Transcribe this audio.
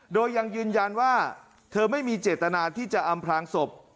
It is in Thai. โดยยังยืนยันว่าเธอไม่มีเจตนาที่จะอำพลางศพ